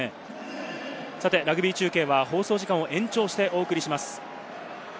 ラグビー中継は放送時間を延長してお送りします。